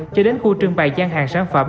cho đến khu trưng bày gian hàng sản phẩm